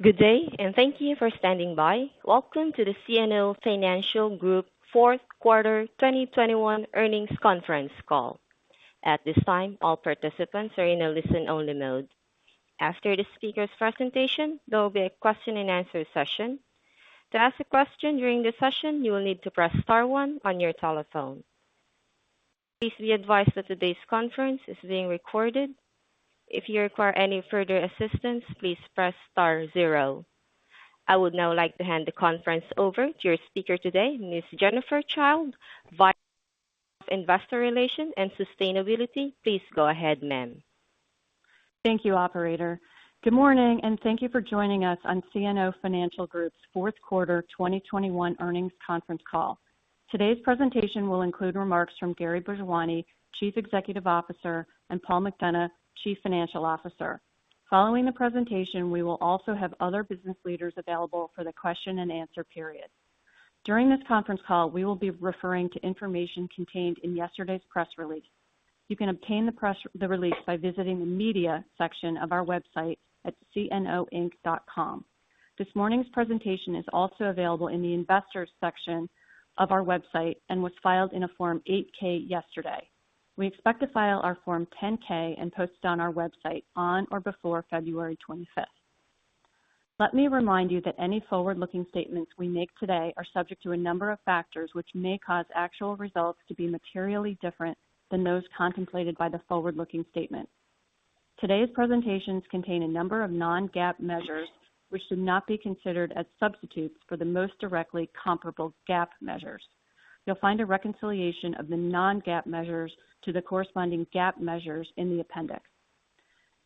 Good day, and thank you for standing by. Welcome to the CNO Financial Group Fourth Quarter 2021 Earnings Conference Call. At this time, all participants are in a listen-only mode. After the speaker's presentation, there will be a question-and-answer session. To ask a question during the session, you will need to press star one on your telephone. Please be advised that today's conference is being recorded. If you require any further assistance, please press star zero. I would now like to hand the conference over to your speaker today, Ms. Jennifer Childe, Vice President of Investor Relations and Sustainability. Please go ahead, ma'am. Thank you, operator. Good morning, and thank you for joining us on CNO Financial Group's fourth quarter 2021 earnings conference call. Today's presentation will include remarks from Gary Bhojwani, Chief Executive Officer, and Paul McDonough, Chief Financial Officer. Following the presentation, we will also have other business leaders available for the question-and-answer period. During this conference call, we will be referring to information contained in yesterday's press release. You can obtain the press release by visiting the Media section of our website at cnoinc.com. This morning's presentation is also available in the Investors section of our website and was filed in a Form 8-K yesterday. We expect to file our Form 10-K and post it on our website on or before February 25. Let me remind you that any forward-looking statements we make today are subject to a number of factors which may cause actual results to be materially different than those contemplated by the forward-looking statement. Today's presentations contain a number of non-GAAP measures which should not be considered as substitutes for the most directly comparable GAAP measures. You'll find a reconciliation of the non-GAAP measures to the corresponding GAAP measures in the appendix.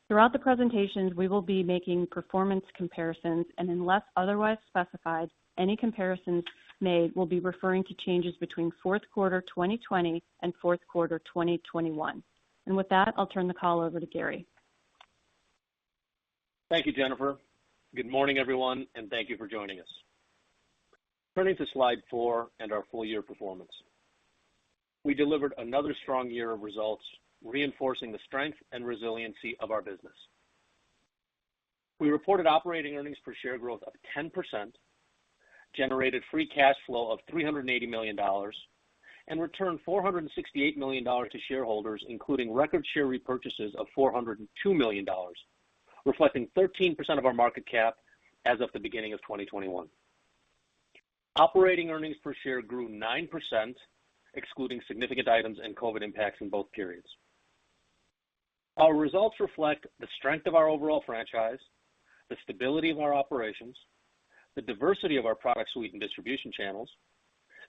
Throughout the presentations, we will be making performance comparisons, and unless otherwise specified, any comparisons made will be referring to changes between fourth quarter 2020 and fourth quarter 2021. With that, I'll turn the call over to Gary. Thank you, Jennifer. Good morning, everyone, and thank you for joining us. Turning to slide four and our full year performance. We delivered another strong year of results, reinforcing the strength and resiliency of our business. We reported operating earnings per share growth of 10%, generated free cash flow of $380 million, and returned $468 million to shareholders, including record share repurchases of $402 million, reflecting 13% of our market cap as of the beginning of 2021. Operating earnings per share grew 9%, excluding significant items and COVID impacts in both periods. Our results reflect the strength of our overall franchise, the stability of our operations, the diversity of our product suite and distribution channels,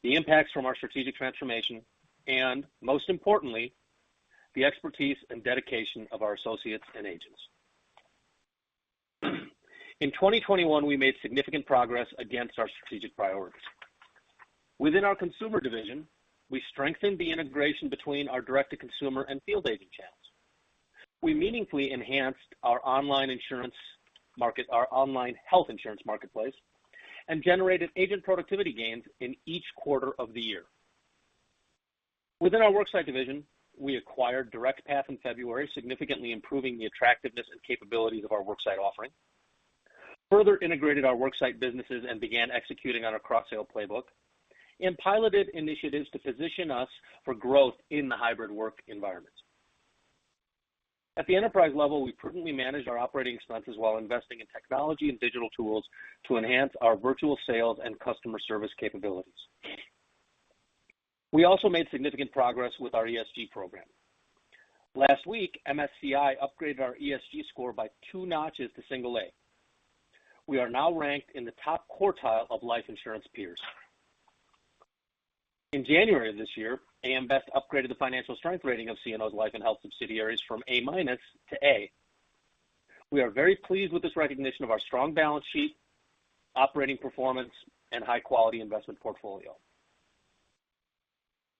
the impacts from our strategic transformation, and most importantly, the expertise and dedication of our associates and agents. In 2021, we made significant progress against our strategic priorities. Within our Consumer Division, we strengthened the integration between our direct-to-consumer and field agent channels. We meaningfully enhanced our online insurance market, our online health insurance marketplace, and generated agent productivity gains in each quarter of the year. Within our Worksite Division, we acquired DirectPath in February, significantly improving the attractiveness and capabilities of our worksite offering, further integrated our Worksite businesses and began executing on a cross-sale playbook, and piloted initiatives to position us for growth in the hybrid work environment. At the enterprise level, we prudently managed our operating expenses while investing in technology and digital tools to enhance our virtual sales and customer service capabilities. We also made significant progress with our ESG program. Last week, MSCI upgraded our ESG score by two notches to single A. We are now ranked in the top quartile of life insurance peers. In January of this year, AM Best upgraded the financial strength rating of CNO's life and health subsidiaries from A- to A. We are very pleased with this recognition of our strong balance sheet, operating performance, and high-quality investment portfolio.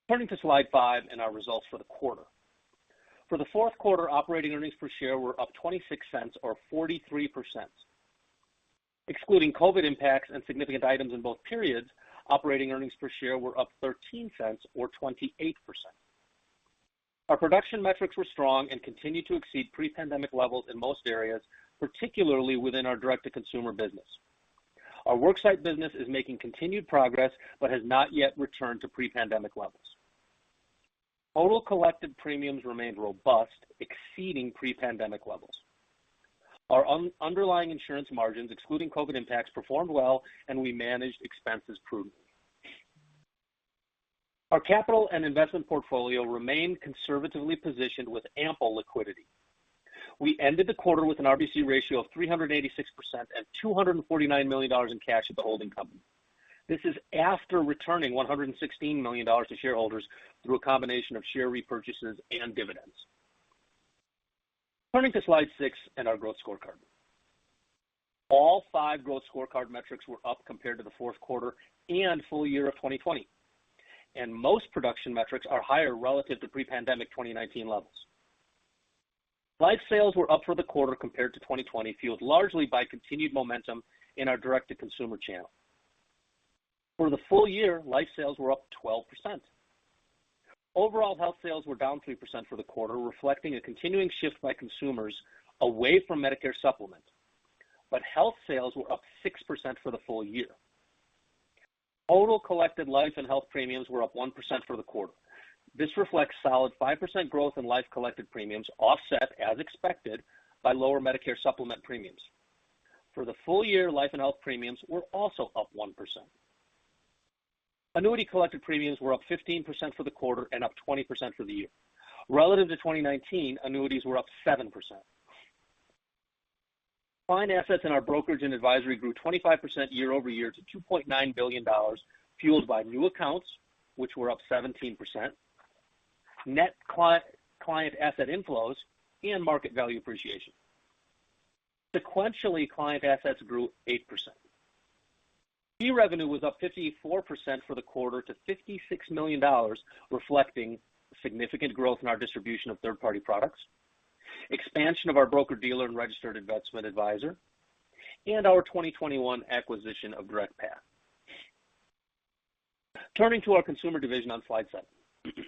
Turning to slide five and our results for the quarter. For the fourth quarter, operating earnings per share were up $0.26 or 43%. Excluding COVID impacts and significant items in both periods, operating earnings per share were up $0.13 or 28%. Our production metrics were strong and continue to exceed pre-pandemic levels in most areas, particularly within our direct-to-consumer business. Our Worksite business is making continued progress but has not yet returned to pre-pandemic levels. Total collected premiums remained robust, exceeding pre-pandemic levels. Our underlying insurance margins, excluding COVID impacts, performed well, and we managed expenses prudently. Our capital and investment portfolio remain conservatively positioned with ample liquidity. We ended the quarter with an RBC ratio of 386% and $249 million in cash at the holding company. This is after returning $116 million to shareholders through a combination of share repurchases and dividends. Turning to slide six and our growth scorecard. All five growth scorecard metrics were up compared to the fourth quarter and full year of 2020, and most production metrics are higher relative to pre-pandemic 2019 levels. Life sales were up for the quarter compared to 2020, fueled largely by continued momentum in our direct-to-consumer channel. For the full year, life sales were up 12%. Overall, health sales were down 3% for the quarter, reflecting a continuing shift by consumers away from Medicare Supplement. Health sales were up 6% for the full year. Total collected life and health premiums were up 1% for the quarter. This reflects solid 5% growth in life collected premiums, offset as expected by lower Medicare Supplement premiums. For the full year, life and health premiums were also up 1%. Annuity collected premiums were up 15% for the quarter and up 20% for the year. Relative to 2019, annuities were up 7%. Client assets in our brokerage and advisory grew 25% year-over-year to $2.9 billion, fueled by new accounts, which were up 17%, net client asset inflows, and market value appreciation. Sequentially, client assets grew 8%. Fee revenue was up 54% for the quarter to $56 million, reflecting significant growth in our distribution of third-party products, expansion of our broker-dealer and registered investment advisor, and our 2021 acquisition of DirectPath. Turning to our Consumer Division on slide seven.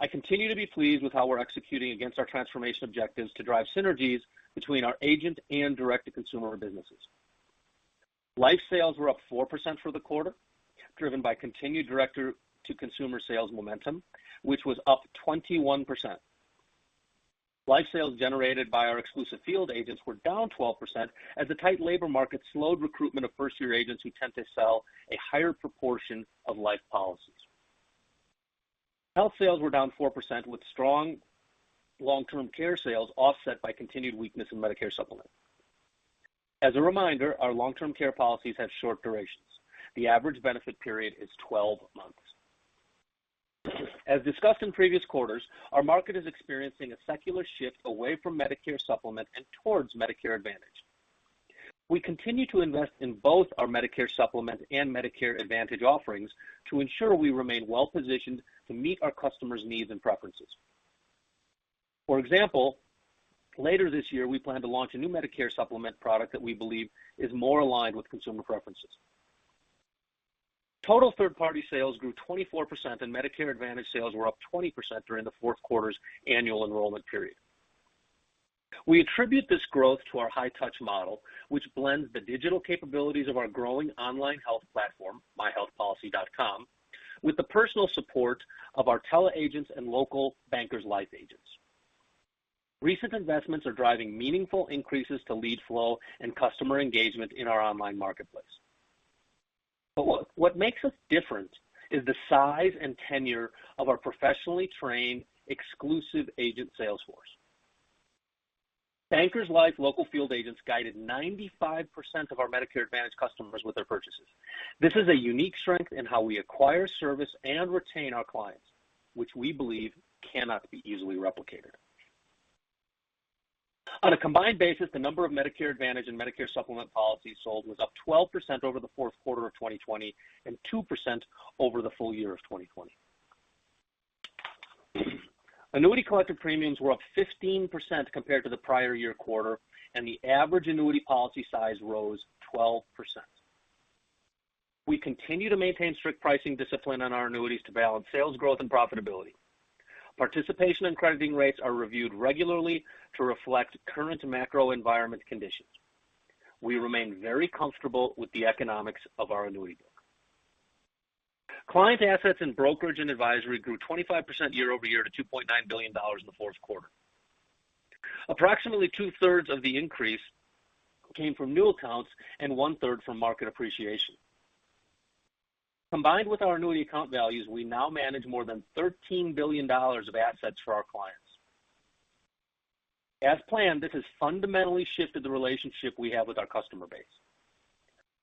I continue to be pleased with how we're executing against our transformation objectives to drive synergies between our agent and direct-to-consumer businesses. Life sales were up 4% for the quarter, driven by continued direct-to-consumer sales momentum, which was up 21%. Life sales generated by our exclusive field agents were down 12% as the tight labor market slowed recruitment of first-year agents who tend to sell a higher proportion of life policies. Health sales were down 4%, with strong long-term care sales offset by continued weakness in Medicare Supplement. As a reminder, our long-term care policies have short durations. The average benefit period is 12 months. As discussed in previous quarters, our market is experiencing a secular shift away from Medicare Supplement and towards Medicare Advantage. We continue to invest in both our Medicare Supplement and Medicare Advantage offerings to ensure we remain well positioned to meet our customers' needs and preferences. For example, later this year, we plan to launch a new Medicare Supplement product that we believe is more aligned with consumer preferences. Total third-party sales grew 24%, and Medicare Advantage sales were up 20% during the fourth quarter's annual enrollment period. We attribute this growth to our high-touch model, which blends the digital capabilities of our growing online health platform, myHealthPolicy.com, with the personal support of our tele agents and local Bankers Life agents. Recent investments are driving meaningful increases to lead flow and customer engagement in our online marketplace. What makes us different is the size and tenure of our professionally trained exclusive agent sales force. Bankers Life local field agents guided 95% of our Medicare Advantage customers with their purchases. This is a unique strength in how we acquire service and retain our clients, which we believe cannot be easily replicated. On a combined basis, the number of Medicare Advantage and Medicare Supplement policies sold was up 12% over the fourth quarter of 2020 and 2% over the full year of 2020. Annuity collected premiums were up 15% compared to the prior year quarter, and the average annuity policy size rose 12%. We continue to maintain strict pricing discipline on our annuities to balance sales growth and profitability. Participation and crediting rates are reviewed regularly to reflect current macro environment conditions. We remain very comfortable with the economics of our annuity book. Client assets in brokerage and advisory grew 25% year-over-year to $2.9 billion in the fourth quarter. Approximately 2/3 of the increase came from new accounts and 1/3 from market appreciation. Combined with our annuity account values, we now manage more than $13 billion of assets for our clients. As planned, this has fundamentally shifted the relationship we have with our customer base.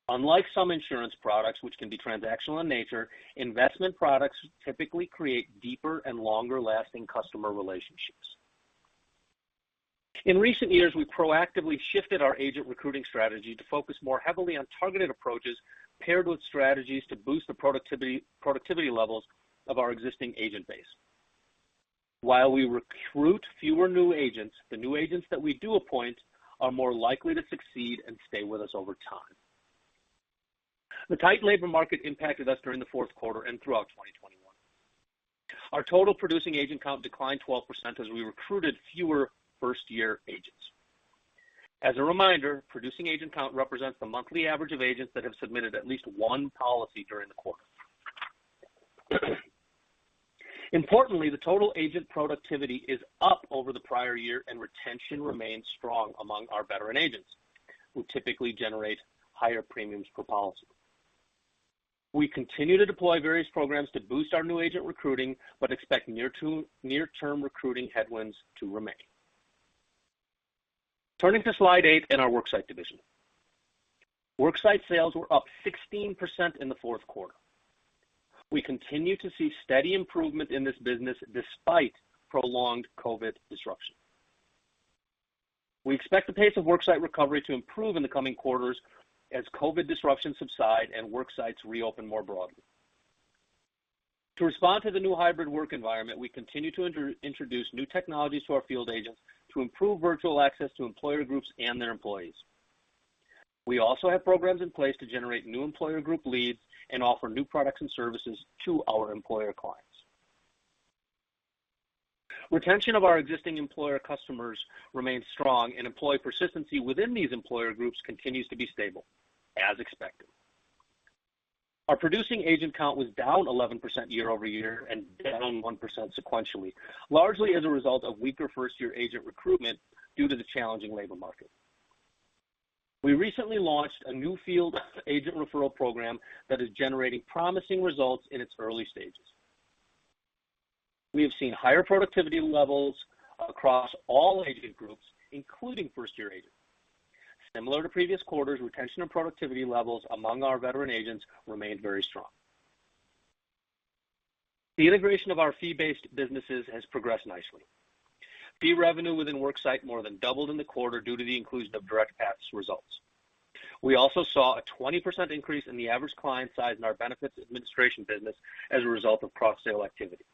Unlike some insurance products, which can be transactional in nature, investment products typically create deeper and longer-lasting customer relationships. In recent years, we proactively shifted our agent recruiting strategy to focus more heavily on targeted approaches paired with strategies to boost the productivity levels of our existing agent base. While we recruit fewer new agents, the new agents that we do appoint are more likely to succeed and stay with us over time. The tight labor market impacted us during the fourth quarter and throughout 2021. Our total producing agent count declined 12% as we recruited fewer first-year agents. As a reminder, producing agent count represents the monthly average of agents that have submitted at least one policy during the quarter. Importantly, the total agent productivity is up over the prior year, and retention remains strong among our veteran agents, who typically generate higher premiums per policy. We continue to deploy various programs to boost our new agent recruiting, but expect near-term recruiting headwinds to remain. Turning to slide eight in our Worksite Division. Worksite sales were up 16% in the fourth quarter. We continue to see steady improvement in this business despite prolonged COVID disruption. We expect the pace of Worksite recovery to improve in the coming quarters as COVID disruptions subside and worksites reopen more broadly. To respond to the new hybrid work environment, we continue to introduce new technologies to our field agents to improve virtual access to employer groups and their employees. We also have programs in place to generate new employer group leads and offer new products and services to our employer clients. Retention of our existing employer customers remains strong, and employee persistency within these employer groups continues to be stable as expected. Our producing agent count was down 11% year-over-year and down 1% sequentially, largely as a result of weaker first-year agent recruitment due to the challenging labor market. We recently launched a new field agent referral program that is generating promising results in its early stages. We have seen higher productivity levels across all agent groups, including first-year agents. Similar to previous quarters, retention and productivity levels among our veteran agents remained very strong. The integration of our fee-based businesses has progressed nicely. Fee revenue within Worksite more than doubled in the quarter due to the inclusion of DirectPath's results. We also saw a 20% increase in the average client size in our benefits administration business as a result of cross-sale activity.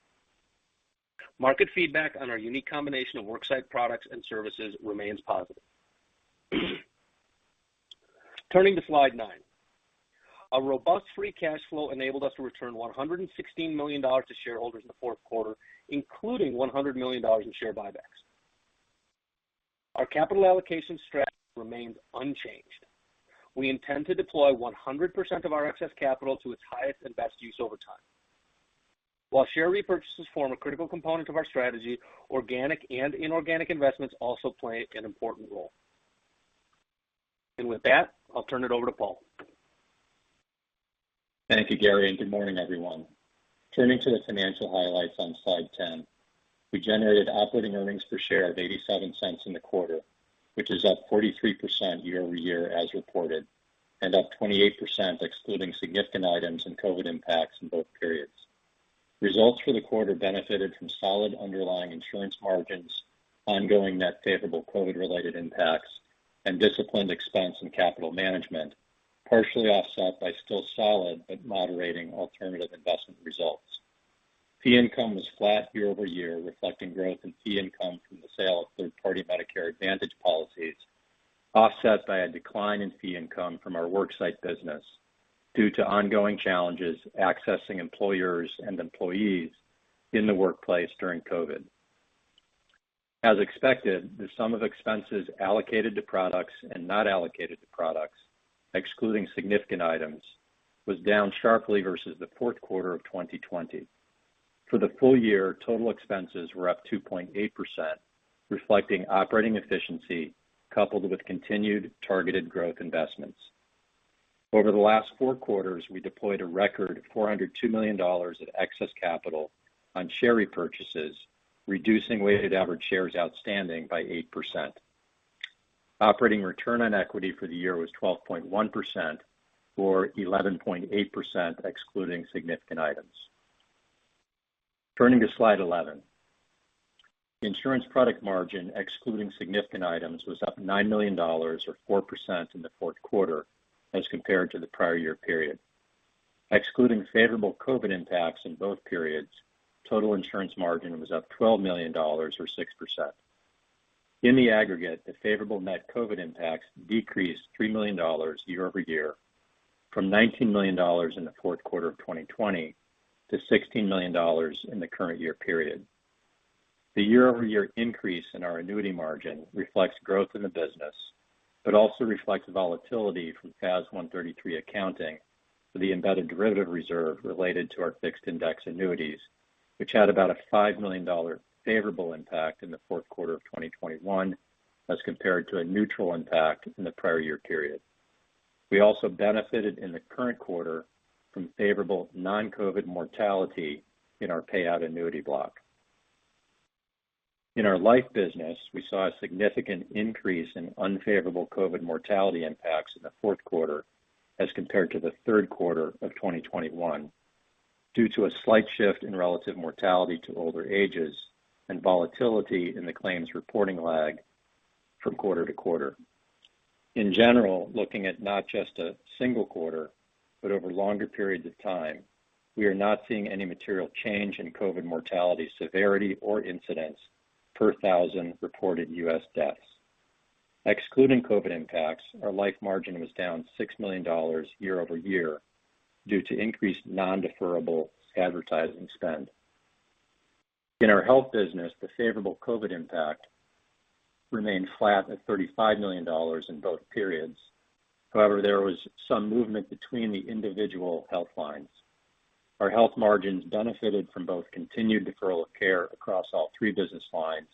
Market feedback on our unique combination of Worksite products and services remains positive. Turning to slide nine. A robust free cash flow enabled us to return $116 million to shareholders in the fourth quarter, including $100 million in share buybacks. Our capital allocation strategy remains unchanged. We intend to deploy 100% of our excess capital to its highest and best use over time. While share repurchases form a critical component of our strategy, organic and inorganic investments also play an important role. With that, I'll turn it over to Paul. Thank you, Gary, and good morning, everyone. Turning to the financial highlights on slide 10. We generated operating earnings per share of $0.87 in the quarter, which is up 43% year-over-year as reported, and up 28% excluding significant items and COVID impacts in both periods. Results for the quarter benefited from solid underlying insurance margins, ongoing net favorable COVID-related impacts, and disciplined expense and capital management, partially offset by still solid but moderating alternative investment results. Fee income was flat year-over-year, reflecting growth in fee income from the sale of third-party Medicare Advantage policies, offset by a decline in fee income from our Worksite business due to ongoing challenges accessing employers and employees in the workplace during COVID. As expected, the sum of expenses allocated to products and not allocated to products, excluding significant items, was down sharply versus the fourth quarter of 2020. For the full year, total expenses were up 2.8%, reflecting operating efficiency coupled with continued targeted growth investments. Over the last four quarters, we deployed a record $402 million of excess capital on share repurchases, reducing weighted average shares outstanding by 8%. Operating return on equity for the year was 12.1% or 11.8% excluding significant items. Turning to slide 11. Insurance product margin, excluding significant items, was up $9 million or 4% in the fourth quarter as compared to the prior year period. Excluding favorable COVID impacts in both periods, total insurance margin was up $12 million or 6%. In the aggregate, the favorable net COVID impacts decreased $3 million year-over-year from $19 million in the fourth quarter of 2020 to $16 million in the current year period. The year-over-year increase in our annuity margin reflects growth in the business, but also reflects volatility from FAS 133 accounting for the embedded derivative reserve related to our fixed index annuities, which had about a $5 million favorable impact in the fourth quarter of 2021 as compared to a neutral impact in the prior year period. We also benefited in the current quarter from favorable non-COVID mortality in our payout annuity block. In our life business, we saw a significant increase in unfavorable COVID mortality impacts in the fourth quarter as compared to the third quarter of 2021 due to a slight shift in relative mortality to older ages and volatility in the claims reporting lag from quarter to quarter. In general, looking at not just a single quarter but over longer periods of time, we are not seeing any material change in COVID mortality severity or incidence per thousand reported U.S. deaths. Excluding COVID impacts, our life margin was down $6 million year-over-year due to increased non-deferrable advertising spend. In our health business, the favorable COVID impact remained flat at $35 million in both periods. However, there was some movement between the individual health lines. Our health margins benefited from both continued deferral of care across all three business lines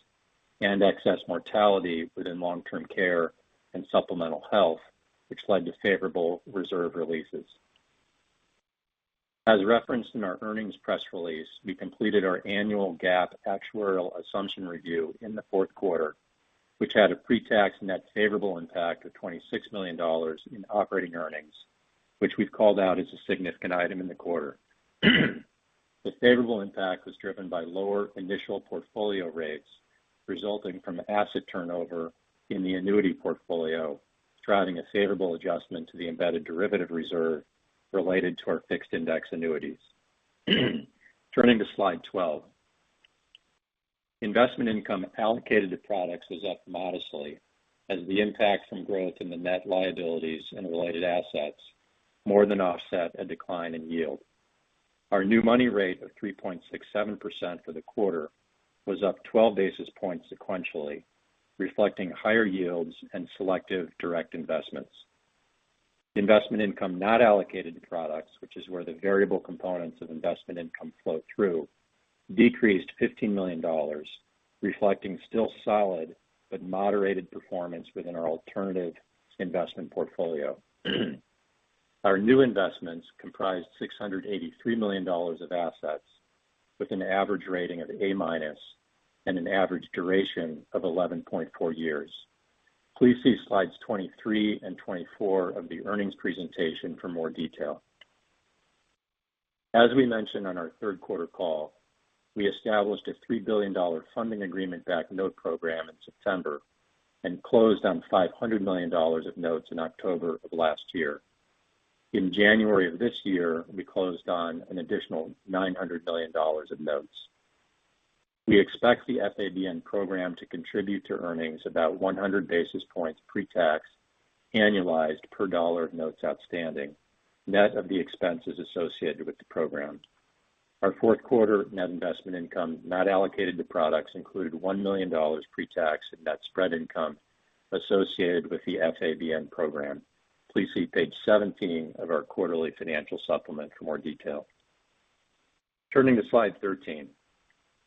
and excess mortality within long-term care and supplemental health, which led to favorable reserve releases. As referenced in our earnings press release, we completed our annual GAAP actuarial assumption review in the fourth quarter, which had a pre-tax net favorable impact of $26 million in operating earnings, which we've called out as a significant item in the quarter. The favorable impact was driven by lower initial portfolio rates resulting from asset turnover in the annuity portfolio, driving a favorable adjustment to the embedded derivative reserve related to our Fixed Index Annuities. Turning to slide 12. Investment income allocated to products was up modestly as the impact from growth in the net liabilities and related assets more than offset a decline in yield. Our new money rate of 3.67% for the quarter was up 12 basis points sequentially, reflecting higher yields and selective direct investments. Investment income not allocated to products, which is where the variable components of investment income flow through, decreased $15 million, reflecting still solid but moderated performance within our alternative investment portfolio. Our new investments comprised $683 million of assets with an average rating of A- and an average duration of 11.4 years. Please see slides 23 and 24 of the earnings presentation for more detail. As we mentioned on our third quarter call, we established a $3 billion funding agreement backed note program in September and closed on $500 million of notes in October of last year. In January of this year, we closed on an additional $900 million of notes. We expect the FABN program to contribute to earnings about 100 basis points pre-tax, annualized per dollar of notes outstanding, net of the expenses associated with the program. Our fourth quarter net investment income not allocated to products included $1 million pre-tax in net spread income associated with the FABN program. Please see page 17 of our quarterly financial supplement for more detail. Turning to Slide 13.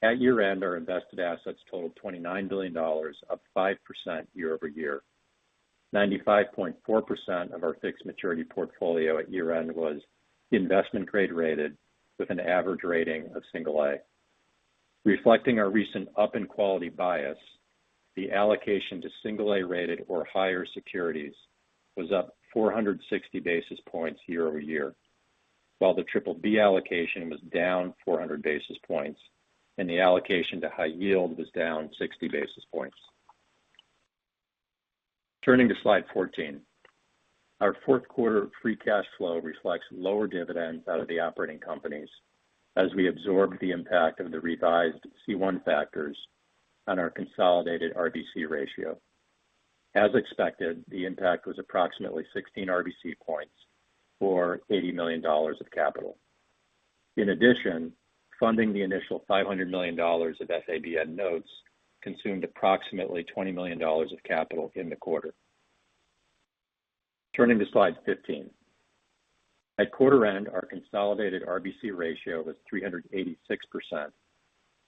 At year-end, our invested assets totaled $29 billion, up 5% year-over-year. 95.4% of our fixed maturity portfolio at year-end was investment grade rated with an average rating of single A. Reflecting our recent up in quality bias, the allocation to single A-rated or higher securities was up 460 basis points year-over-year, while the BBB allocation was down 400 basis points and the allocation to high yield was down 60 basis points. Turning to Slide 14. Our fourth quarter free cash flow reflects lower dividends out of the operating companies as we absorb the impact of the revised C1 factors on our consolidated RBC ratio. As expected, the impact was approximately 16 RBC points or $80 million of capital. In addition, funding the initial $500 million of FABN notes consumed approximately $20 million of capital in the quarter. Turning to Slide 15. At quarter end, our consolidated RBC ratio was 386%,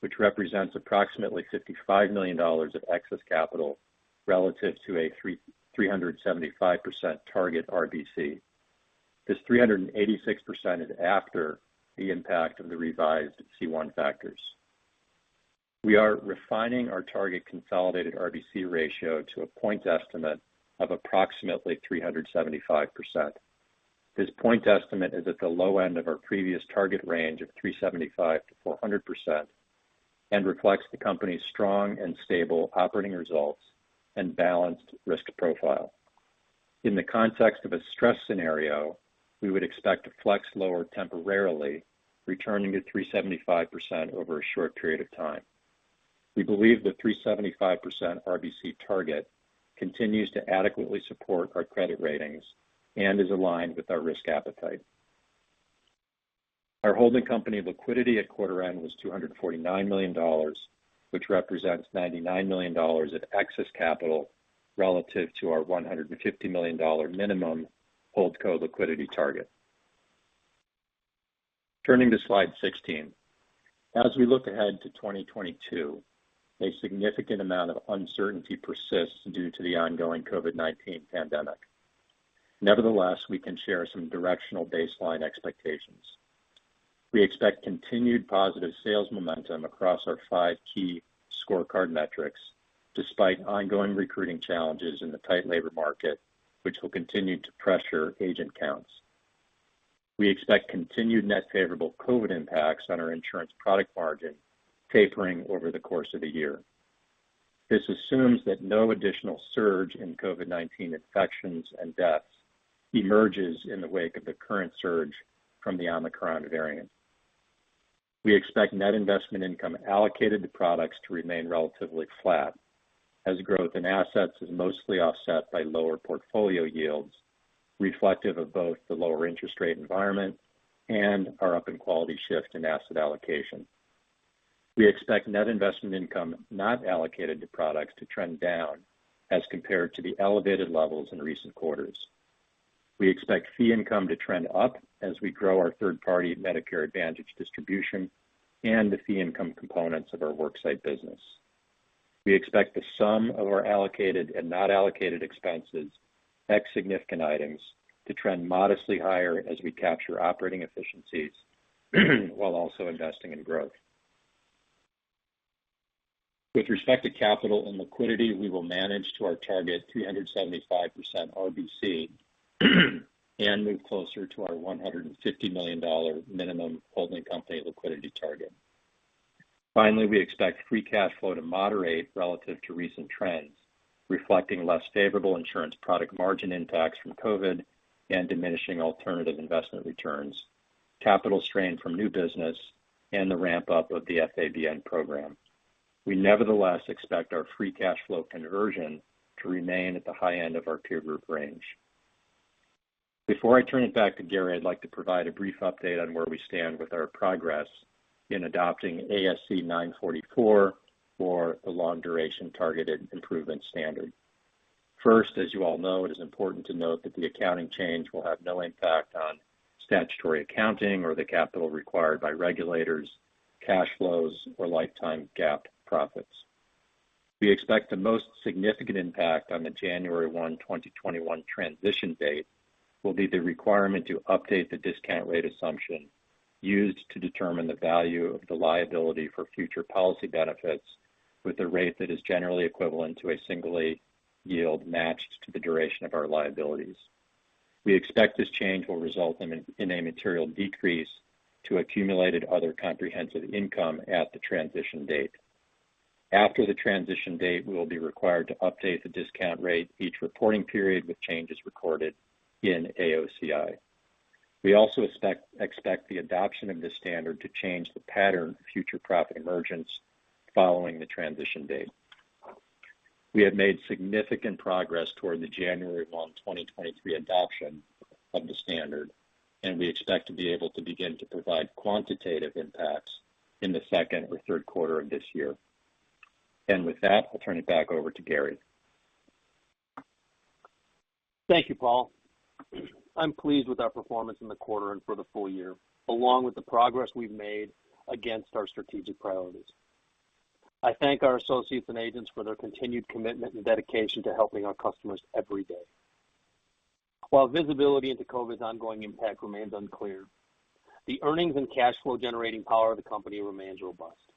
which represents approximately $55 million of excess capital relative to a 375% target RBC. This 386% is after the impact of the revised C1 factors. We are refining our target consolidated RBC ratio to a point estimate of approximately 375%. This point estimate is at the low end of our previous target range of 375%-400% and reflects the company's strong and stable operating results and balanced risk profile. In the context of a stress scenario, we would expect to flex lower temporarily, returning to 375% over a short period of time. We believe the 375% RBC target continues to adequately support our credit ratings and is aligned with our risk appetite. Our holding company liquidity at quarter end was $249 million, which represents $99 million of excess capital relative to our $150 million minimum holdco liquidity target. Turning to Slide 16. As we look ahead to 2022, a significant amount of uncertainty persists due to the ongoing COVID-19 pandemic. Nevertheless, we can share some directional baseline expectations. We expect continued positive sales momentum across our five key scorecard metrics, despite ongoing recruiting challenges in the tight labor market, which will continue to pressure agent counts. We expect continued net favorable COVID impacts on our insurance product margin tapering over the course of the year. This assumes that no additional surge in COVID-19 infections and deaths emerges in the wake of the current surge from the Omicron variant. We expect net investment income allocated to products to remain relatively flat as growth in assets is mostly offset by lower portfolio yields reflective of both the lower interest rate environment and our up in quality shift in asset allocation. We expect net investment income not allocated to products to trend down as compared to the elevated levels in recent quarters. We expect fee income to trend up as we grow our third-party Medicare Advantage distribution and the fee income components of our Worksite business. We expect the sum of our allocated and not allocated expenses, ex-significant items to trend modestly higher as we capture operating efficiencies while also investing in growth. With respect to capital and liquidity, we will manage to our target 375% RBC and move closer to our $150 million minimum holding company liquidity target. Finally, we expect free cash flow to moderate relative to recent trends, reflecting less favorable insurance product margin impacts from COVID and diminishing alternative investment returns, capital strain from new business, and the ramp-up of the FABN program. We nevertheless expect our free cash flow conversion to remain at the high end of our peer group range. Before I turn it back to Gary, I'd like to provide a brief update on where we stand with our progress in adopting ASC 944 for the long duration targeted improvement standard. First, as you all know, it is important to note that the accounting change will have no impact on statutory accounting or the capital required by regulators, cash flows, or lifetime GAAP profits. We expect the most significant impact on the January 1, 2021 transition date will be the requirement to update the discount rate assumption used to determine the value of the liability for future policy benefits with a rate that is generally equivalent to a single A yield matched to the duration of our liabilities. We expect this change will result in a material decrease to accumulated other comprehensive income at the transition date. After the transition date, we will be required to update the discount rate each reporting period with changes recorded in AOCI. We also expect the adoption of this standard to change the pattern of future profit emergence following the transition date. We have made significant progress toward the January 1, 2023 adoption of the standard, and we expect to be able to begin to provide quantitative impacts in the second or third quarter of this year. With that, I'll turn it back over to Gary. Thank you, Paul. I'm pleased with our performance in the quarter and for the full year, along with the progress we've made against our strategic priorities. I thank our associates and agents for their continued commitment and dedication to helping our customers every day. While visibility into COVID's ongoing impact remains unclear, the earnings and cash flow-generating power of the company remains robust.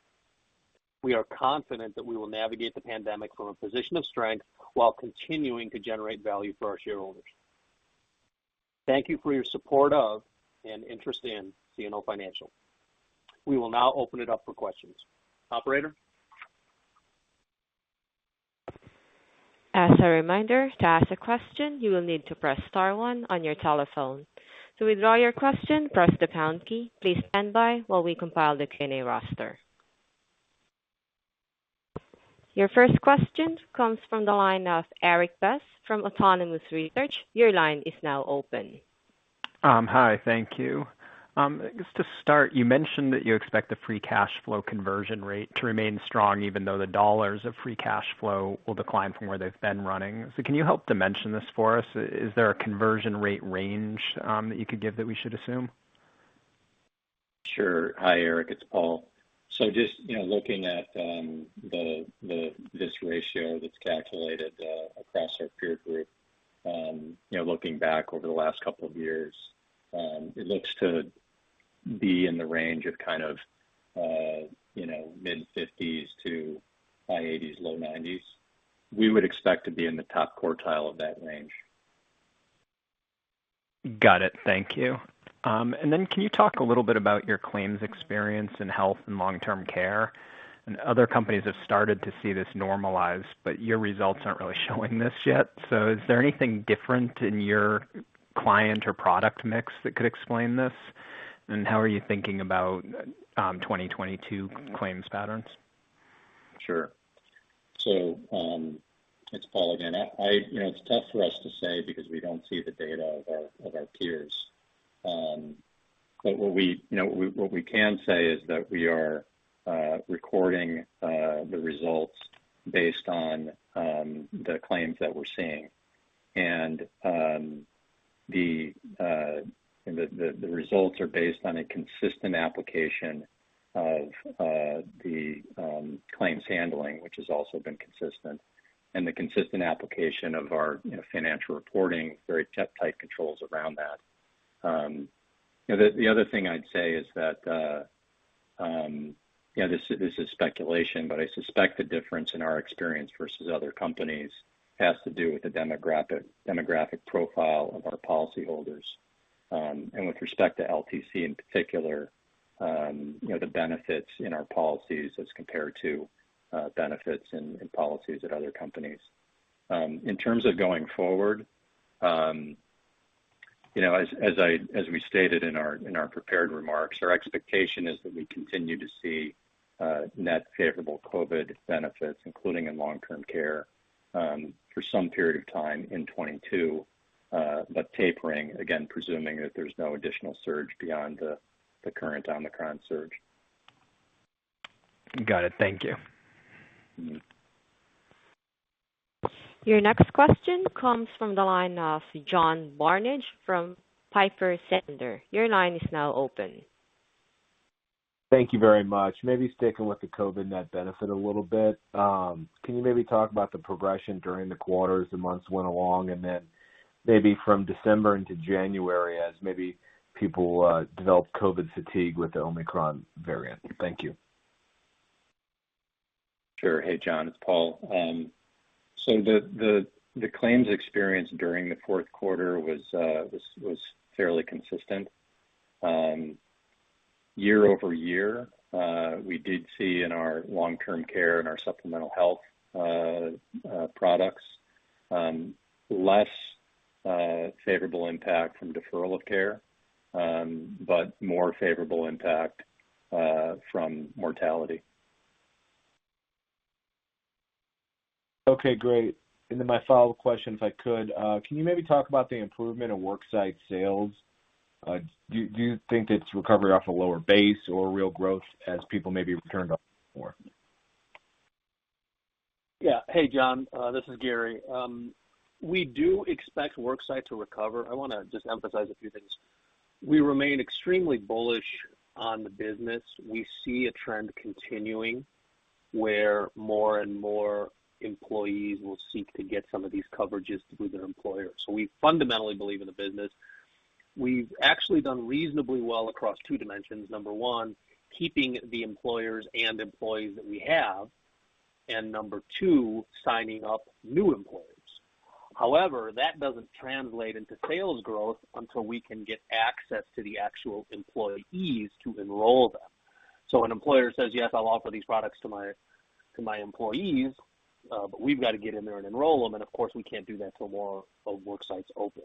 We are confident that we will navigate the pandemic from a position of strength while continuing to generate value for our shareholders. Thank you for your support of and interest in CNO Financial. We will now open it up for questions. Operator? As a reminder, to ask a question, you will need to press star one on your telephone. To withdraw your question, press the pound key. Please stand by while we compile the Q&A roster. Your first question comes from the line of Erik Bass from Autonomous Research. Your line is now open. Hi, thank you. Just to start, you mentioned that you expect the free cash flow conversion rate to remain strong even though the dollars of free cash flow will decline from where they've been running. Can you help dimension this for us? Is there a conversion rate range that you could give that we should assume? Sure. Hi, Erik. It's Paul. Just, you know, looking at this ratio that's calculated across our peer group, you know, looking back over the last couple of years, it looks to be in the range of kind of you know, mid-50s% to high 80s%, low 90s%. We would expect to be in the top quartile of that range. Got it. Thank you. Then can you talk a little bit about your claims experience in health and long-term care? Other companies have started to see this normalized, but your results aren't really showing this yet. Is there anything different in your client or product mix that could explain this? How are you thinking about 2022 claims patterns? Sure. It's Paul again. You know, it's tough for us to say because we don't see the data of our peers. What we can say is that we are recording the results based on the claims that we're seeing. The results are based on a consistent application of the claims handling, which has also been consistent, and the consistent application of our you know financial reporting, very tight controls around that. The other thing I'd say is that, you know, this is speculation, but I suspect the difference in our experience versus other companies has to do with the demographic profile of our policyholders, and with respect to LTC in particular, you know, the benefits in our policies as compared to benefits in policies at other companies. In terms of going forward, you know, as we stated in our prepared remarks, our expectation is that we continue to see net favorable COVID benefits, including in long-term care, for some period of time in 2022, but tapering, again, presuming that there's no additional surge beyond the current Omicron surge. Got it. Thank you. Mm-hmm. Your next question comes from the line of John Barnidge from Piper Sandler. Your line is now open. Thank you very much. Maybe sticking with the COVID net benefit a little bit. Can you maybe talk about the progression during the quarters, the months went along, and then maybe from December into January as maybe people developed COVID fatigue with the Omicron variant? Thank you. Sure. Hey, John, it's Paul. The claims experience during the fourth quarter was fairly consistent. Year-over-year, we did see in our long-term care and our supplemental health products less favorable impact from deferral of care, but more favorable impact from mortality. Okay, great. My follow-up question, if I could, can you maybe talk about the improvement of Worksite sales? Do you think it's recovered off a lower base or real growth as people maybe return to office more? Hey, John, this is Gary. We do expect Worksite to recover. I wanna just emphasize a few things. We remain extremely bullish on the business. We see a trend continuing, where more and more employees will seek to get some of these coverages through their employers. We fundamentally believe in the business. We've actually done reasonably well across two dimensions. Number one, keeping the employers and employees that we have, and number two, signing up new employers. However, that doesn't translate into sales growth until we can get access to the actual employees to enroll them. An employer says, "Yes, I'll offer these products to my employees," but we've got to get in there and enroll them, and of course, we can't do that till more of worksites open.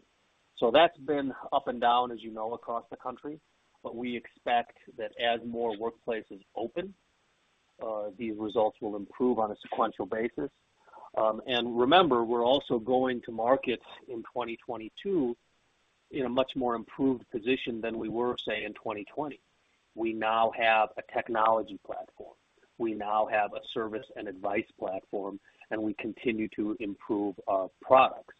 That's been up and down, as you know, across the country, but we expect that as more workplaces open, these results will improve on a sequential basis. Remember, we're also going to markets in 2022 in a much more improved position than we were, say, in 2020. We now have a technology platform. We now have a service and advice platform, and we continue to improve our products.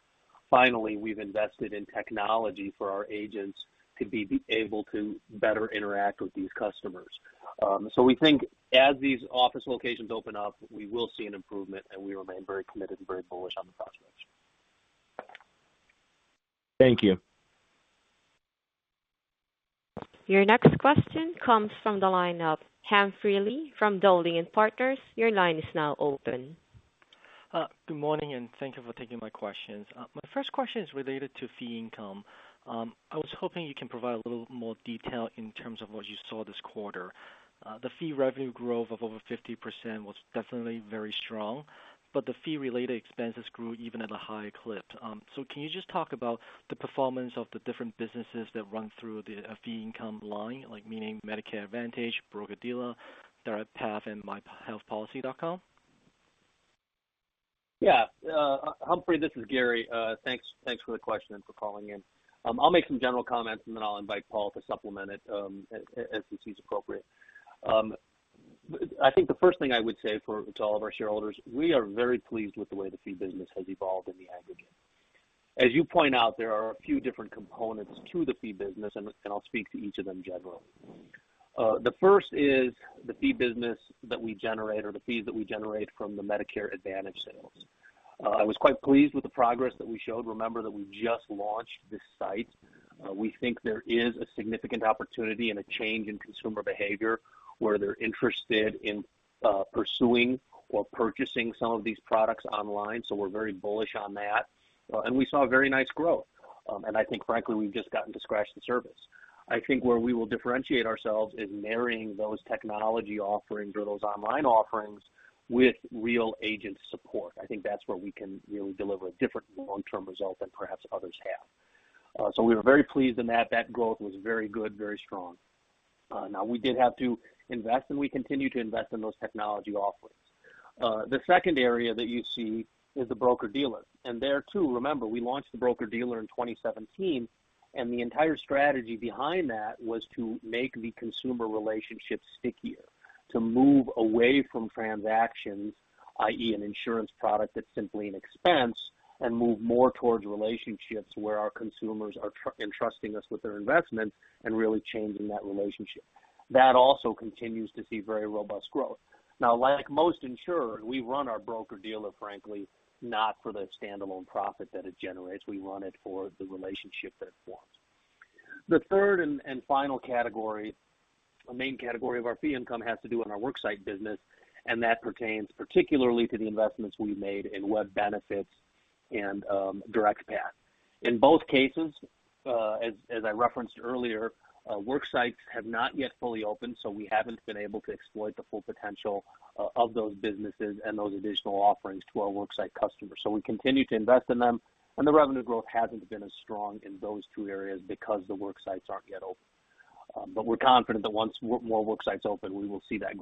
Finally, we've invested in technology for our agents to be able to better interact with these customers. We think as these office locations open up, we will see an improvement, and we remain very committed and very bullish on the prospects. Thank you. Your next question comes from the line of Humphrey Lee from Dowling & Partners. Your line is now open. Good morning, and thank you for taking my questions. My first question is related to fee income. I was hoping you can provide a little more detail in terms of what you saw this quarter. The fee revenue growth of over 50% was definitely very strong, but the fee related expenses grew even at a higher clip. Can you just talk about the performance of the different businesses that run through the fee income line, like meaning Medicare Advantage, broker-dealer, DirectPath, and myHealthPolicy.com? Humphrey, this is Gary. Thanks for the question and for calling in. I'll make some general comments, and then I'll invite Paul to supplement it as he sees appropriate. I think the first thing I would say to all of our shareholders, we are very pleased with the way the fee business has evolved in the aggregate. As you point out, there are a few different components to the fee business, and I'll speak to each of them generally. The first is the fee business that we generate or the fees that we generate from the Medicare Advantage sales. I was quite pleased with the progress that we showed. Remember that we just launched this site. We think there is a significant opportunity and a change in consumer behavior where they're interested in pursuing or purchasing some of these products online. We're very bullish on that. We saw a very nice growth. I think frankly, we've just gotten to scratch the surface. I think where we will differentiate ourselves is marrying those technology offerings or those online offerings with real agent support. I think that's where we can really deliver different long-term results than perhaps others have. We were very pleased in that. That growth was very good, very strong. Now we did have to invest, and we continue to invest in those technology offerings. The second area that you see is the broker-dealer. There too, remember, we launched the broker-dealer in 2017, and the entire strategy behind that was to make the consumer relationship stickier, to move away from transactions, i.e., an insurance product that's simply an expense, and move more towards relationships where our consumers are entrusting us with their investment and really changing that relationship. That also continues to see very robust growth. Now, like most insurers, we run our broker-dealer, frankly, not for the standalone profit that it generates. We run it for the relationship that it forms. The third and final category, a main category of our fee income has to do with our Worksite business, and that pertains particularly to the investments we made in WebBenefits and DirectPath. In both cases, as I referenced earlier, worksites have not yet fully opened, so we haven't been able to exploit the full potential of those businesses and those additional offerings to our Worksite customers. We continue to invest in them, and the revenue growth hasn't been as strong in those two areas because the worksites aren't yet open. We're confident that once more worksites open, we will see that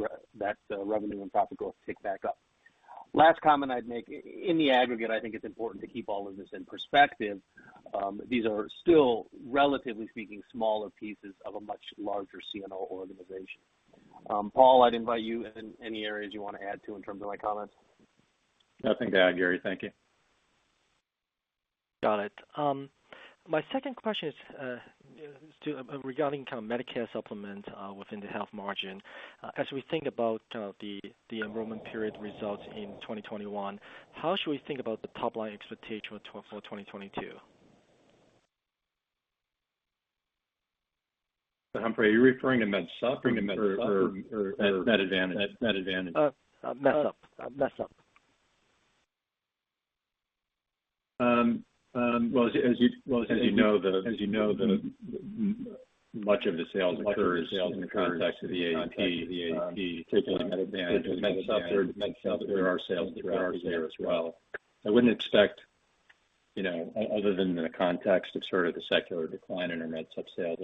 revenue and profit growth pick back up. Last comment I'd make. In the aggregate, I think it's important to keep all of this in perspective. These are still, relatively speaking, smaller pieces of a much larger CNO organization. Paul, I'd invite you in any areas you wanna add to in terms of my comments. Nothing to add, Gary. Thank you. Got it. My second question is regarding kind of Medicare Supplement within the health margin. As we think about the enrollment period results in 2021, how should we think about the top line expectation for 2022? Humphrey, are you referring to Med Supp or Med Advantage? Med Supp. Well, as you know, much of the sales occurs in the context of the AEP. There are sales that occur there as well. I wouldn't expect, you know, other than in the context of sort of the secular decline in our Med Supp sales,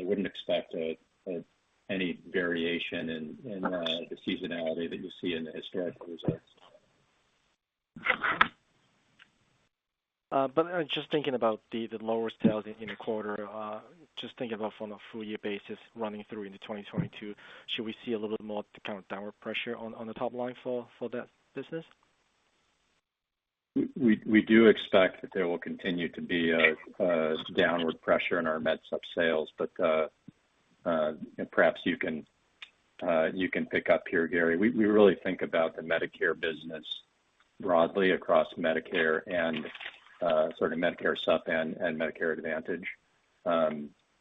any variation in the seasonality that you see in the historical results. Just thinking about the lower sales in the quarter, just thinking about from a full year basis running through into 2022, should we see a little bit more kind of downward pressure on the top line for that business? We do expect that there will continue to be a downward pressure in our Med Supp sales. Perhaps you can pick up here, Gary. We really think about the Medicare business broadly across Medicare and sort of Medicare Supp and Medicare Advantage.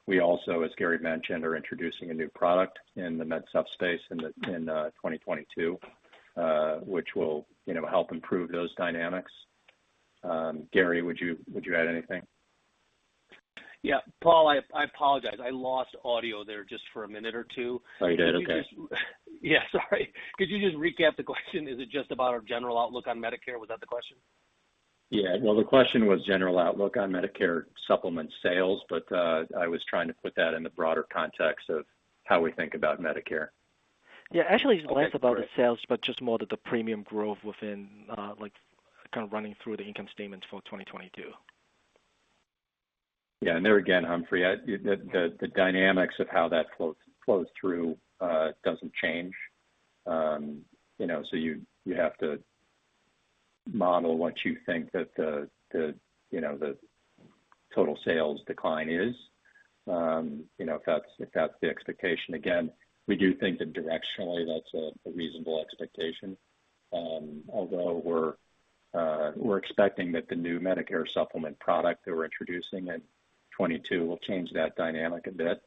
We also, as Gary mentioned, are introducing a new product in the Med Supp space in 2022, which will, you know, help improve those dynamics. Gary, would you add anything? Yeah. Paul, I apologize. I lost audio there just for a minute or two. Oh, you did? Okay. Yeah, sorry. Could you just recap the question? Is it just about our general outlook on Medicare? Was that the question? Yeah. Well, the question was general outlook on Medicare Supplement sales, but I was trying to put that in the broader context of how we think about Medicare. Yeah, actually it's less about the sales, but just more the premium growth within, like, kind of running through the income statements for 2022. Yeah. There again, Humphrey, the dynamics of how that flows through doesn't change. You know, you have to model what you think that, you know, the total sales decline is, you know, if that's the expectation. Again, we do think that directionally that's a reasonable expectation, although we're expecting that the new Medicare Supplement product that we're introducing in 2022 will change that dynamic a bit.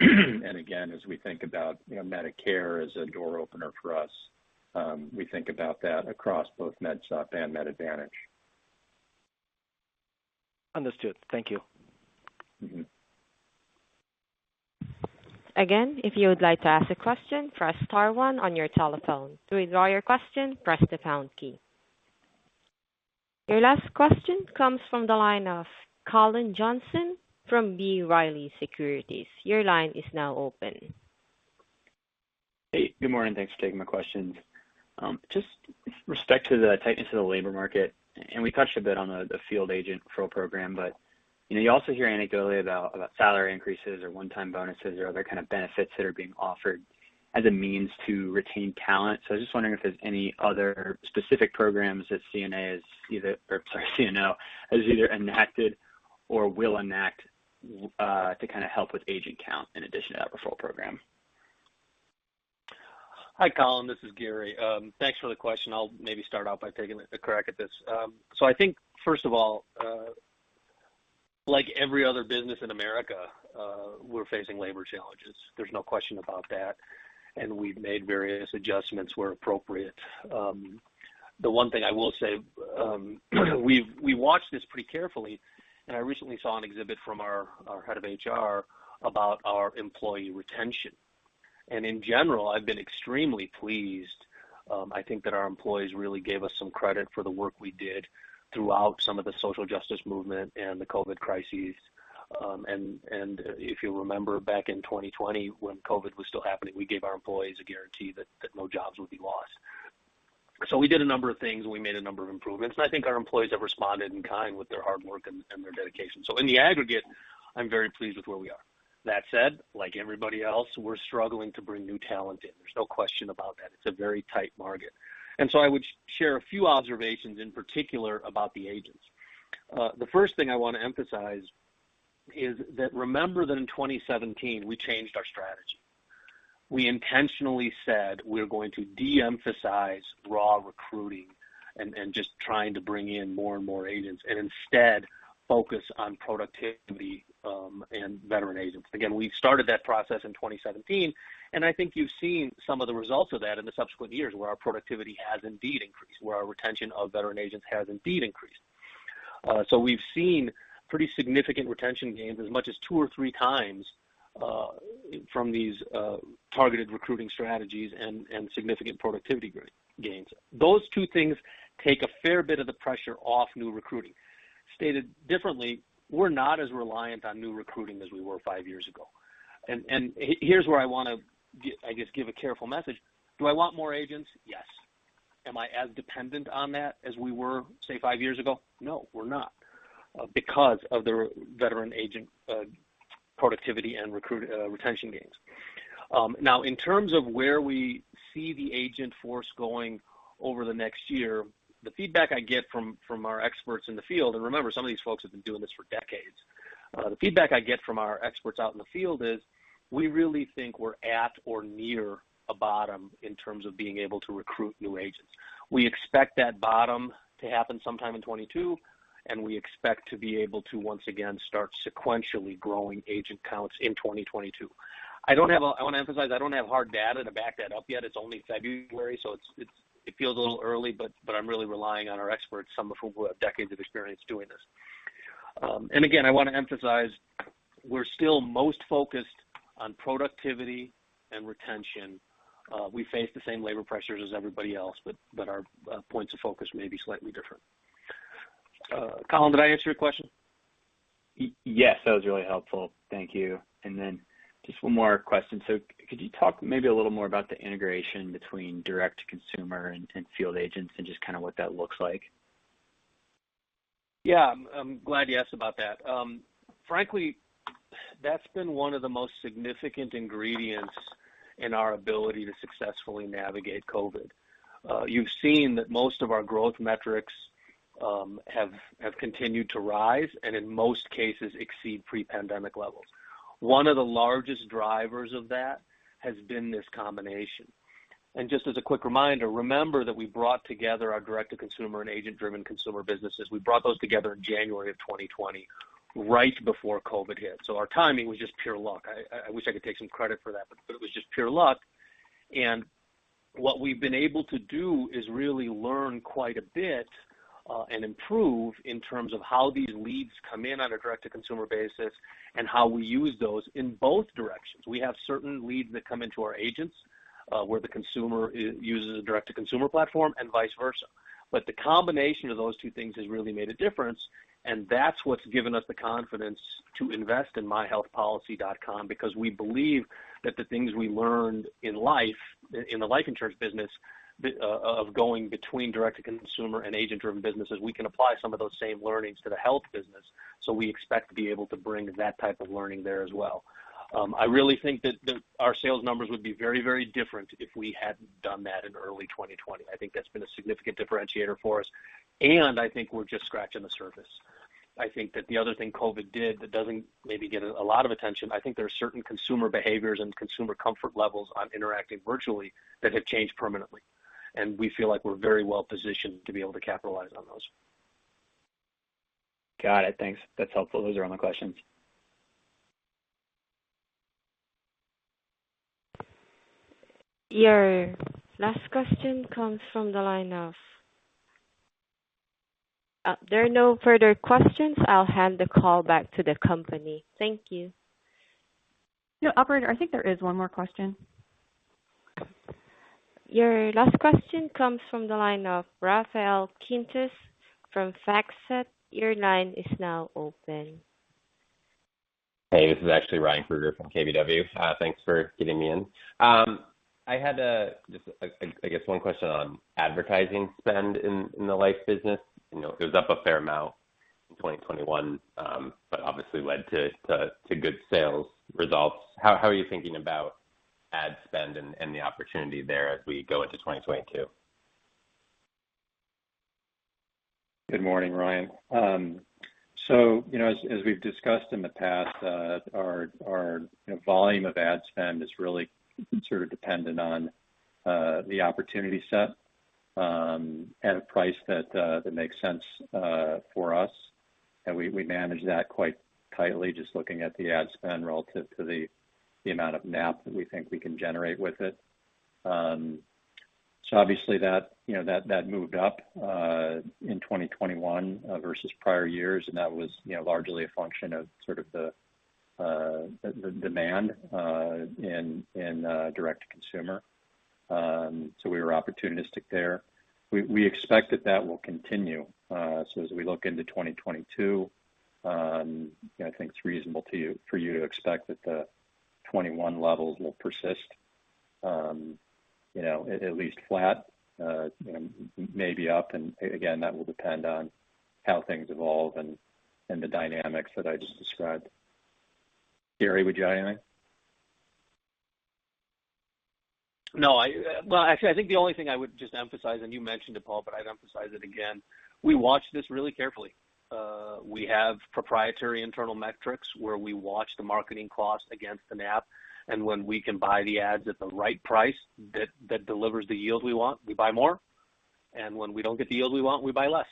Again, as we think about, you know, Medicare as a door opener for us, we think about that across both Med Supp and Med Advantage. Understood. Thank you. Mm-hmm. Again, if you would like to ask a question, press star one on your telephone. To withdraw your question, press the pound key. Your last question comes from the line of Cullen Johnson from B. Riley Securities. Your line is now open. Hey, good morning. Thanks for taking my questions. Just with respect to the tightness of the labor market, and we touched a bit on the field agent referral program, but you know, you also hear anecdotally about salary increases or one-time bonuses or other kind of benefits that are being offered as a means to retain talent. I was just wondering if there's any other specific programs that CNO has either enacted or will enact to kind of help with agent count in addition to that referral program. Hi, Cullen. This is Gary. Thanks for the question. I'll maybe start off by taking a crack at this. So I think first of all, like every other business in America, we're facing labor challenges. There's no question about that, and we've made various adjustments where appropriate. The one thing I will say, we watch this pretty carefully, and I recently saw an exhibit from our head of HR about our employee retention. In general, I've been extremely pleased. I think that our employees really gave us some credit for the work we did throughout some of the social justice movement and the COVID crises. If you remember back in 2020 when COVID was still happening, we gave our employees a guarantee that no jobs would be lost. We did a number of things, and we made a number of improvements, and I think our employees have responded in kind with their hard work and their dedication. In the aggregate, I'm very pleased with where we are. That said, like everybody else, we're struggling to bring new talent in. There's no question about that. It's a very tight market. I would share a few observations in particular about the agents. The first thing I want to emphasize is that remember that in 2017 we changed our strategy. We intentionally said we're going to de-emphasize raw recruiting and just trying to bring in more and more agents, and instead focus on productivity and veteran agents. Again, we started that process in 2017, and I think you've seen some of the results of that in the subsequent years, where our productivity has indeed increased, where our retention of veteran agents has indeed increased. We've seen pretty significant retention gains, as much as two or three times, from these targeted recruiting strategies and significant productivity gains. Those two things take a fair bit of the pressure off new recruiting. Stated differently, we're not as reliant on new recruiting as we were five years ago. Here's where I wanna, I guess, give a careful message. Do I want more agents? Yes. Am I as dependent on that as we were, say, five years ago? No, we're not, because of the veteran agent productivity and retention gains. Now in terms of where we see the agent force going over the next year, the feedback I get from our experts in the field, and remember, some of these folks have been doing this for decades. The feedback I get from our experts out in the field is we really think we're at or near a bottom in terms of being able to recruit new agents. We expect that bottom to happen sometime in 2022, and we expect to be able to once again start sequentially growing agent counts in 2022. I wanna emphasize, I don't have hard data to back that up yet. It's only February, so it feels a little early, but I'm really relying on our experts, some of whom have decades of experience doing this. Again, I wanna emphasize we're still most focused on productivity and retention. We face the same labor pressures as everybody else, but our points of focus may be slightly different. Cullen, did I answer your question? Yes, that was really helpful. Thank you. Just one more question. Could you talk maybe a little more about the integration between direct-to-consumer and field agents and just kinda what that looks like? Yeah. I'm glad you asked about that. Frankly, that's been one of the most significant ingredients in our ability to successfully navigate COVID. You've seen that most of our growth metrics have continued to rise and in most cases exceed pre-pandemic levels. One of the largest drivers of that has been this combination. Just as a quick reminder, remember that we brought together our direct-to-consumer and agent-driven consumer businesses. We brought those together in January of 2020, right before COVID hit. Our timing was just pure luck. I wish I could take some credit for that, but it was just pure luck. What we've been able to do is really learn quite a bit and improve in terms of how these leads come in on a direct-to-consumer basis and how we use those in both directions. We have certain leads that come into our agents, where the consumer uses a direct-to-consumer platform and vice versa. The combination of those two things has really made a difference, and that's what's given us the confidence to invest in myHealthPolicy.com because we believe that the things we learned in life in the life insurance business of going between direct-to-consumer and agent-driven businesses, we can apply some of those same learnings to the health business. We expect to be able to bring that type of learning there as well. I really think that our sales numbers would be very, very different if we hadn't done that in early 2020. I think that's been a significant differentiator for us, and I think we're just scratching the surface. I think that the other thing COVID did that doesn't maybe get a lot of attention. I think there are certain consumer behaviors and consumer comfort levels on interacting virtually that have changed permanently, and we feel like we're very well positioned to be able to capitalize on those. Got it. Thanks. That's helpful. Those are all my questions. There are no further questions. I'll hand the call back to the company. Thank you. No, operator, I think there is one more question. Your last question comes from the line of Rafael Quintis from Factset. Your line is now open. Hey, this is actually Ryan Krueger from KBW. Thanks for getting me in. I guess one question on advertising spend in the life business. You know, it was up a fair amount in 2021, but obviously led to good sales results. How are you thinking about ad spend and the opportunity there as we go into 2022? Good morning, Ryan. You know, as we've discussed in the past, our volume of ad spend is really sort of dependent on the opportunity set at a price that makes sense for us. We manage that quite tightly just looking at the ad spend relative to the amount of NAP that we think we can generate with it. Obviously that moved up in 2021 versus prior years, and that was largely a function of the demand in direct-to-consumer. We were opportunistic there. We expect that that will continue. As we look into 2022, you know, I think it's reasonable for you to expect that the 2021 levels will persist, you know, at least flat, you know, maybe up. Again, that will depend on how things evolve and the dynamics that I just described. Gary, would you add anything? No. Well, actually, I think the only thing I would just emphasize, and you mentioned it, Paul, but I'd emphasize it again, we watch this really carefully. We have proprietary internal metrics where we watch the marketing cost against the NAP. When we can buy the ads at the right price that delivers the yield we want, we buy more. When we don't get the yield we want, we buy less.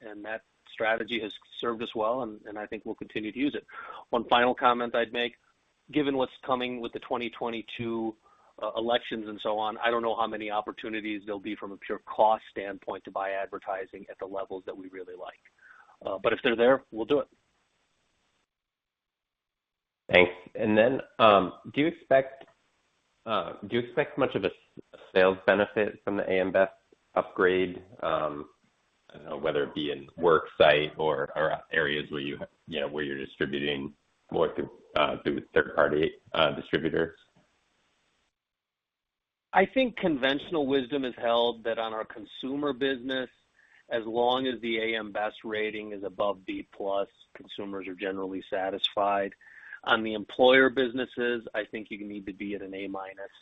That strategy has served us well, and I think we'll continue to use it. One final comment I'd make, given what's coming with the 2022 elections and so on, I don't know how many opportunities there'll be from a pure cost standpoint to buy advertising at the levels that we really like. If they're there, we'll do it. Thanks. Do you expect much of a sales benefit from the AM Best upgrade? I don't know, whether it be in worksite or areas where you know, where you're distributing more through third-party distributors? I think conventional wisdom is held that on our Consumer business, as long as the AM Best rating is above B+, consumers are generally satisfied. On the employer businesses, I think you need to be at an A-minus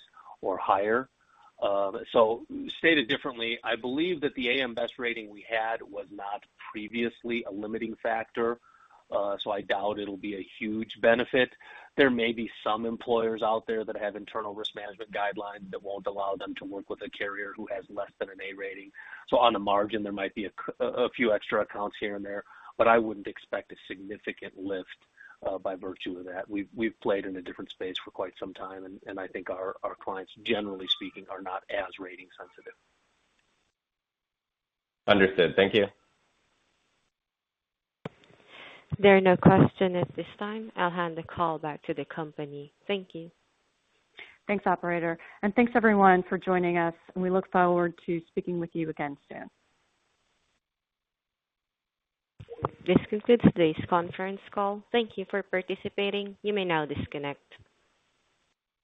or higher. Stated differently, I believe that the AM Best rating we had was not previously a limiting factor, so I doubt it'll be a huge benefit. There may be some employers out there that have internal risk management guidelines that won't allow them to work with a carrier who has less than an A rating. On the margin, there might be a few extra accounts here and there, but I wouldn't expect a significant lift by virtue of that. We've played in a different space for quite some time, and I think our clients, generally speaking, are not as rating sensitive. Understood. Thank you. There are no questions at this time. I'll hand the call back to the company. Thank you. Thanks, operator, and thanks everyone for joining us, and we look forward to speaking with you again soon. This concludes today's conference call. Thank you for participating. You may now disconnect.